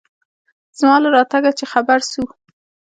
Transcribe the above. زما له راتگه چې خبر سو.